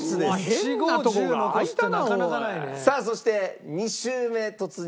さあそして２周目突入して。